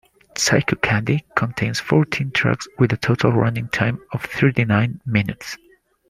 "Psychocandy" contains fourteen tracks with a total running time of thirty-nine minutes.